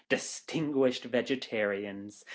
Distinguished Vegetarians.